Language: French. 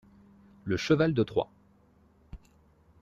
Le cheval de Troie.